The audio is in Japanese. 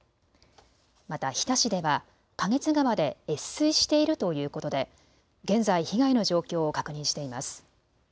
また、日田市では花月川で越水しているということで現在被害の状況を確認しています。